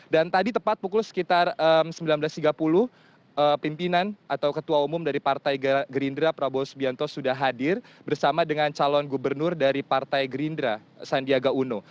dan tadi tepat pukul sekitar sembilan belas tiga puluh pimpinan atau ketua umum dari partai gerindra prabowo subianto sudah hadir bersama dengan calon gubernur dari partai gerindra sandiaga uno